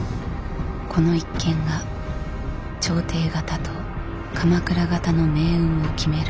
この一件が朝廷方と鎌倉方の命運を決める